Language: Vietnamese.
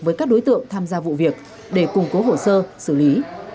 với các đối tượng tham gia vụ việc để củng cố hồ sơ xử lý